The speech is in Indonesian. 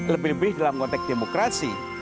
lebih lebih dalam konteks demokrasi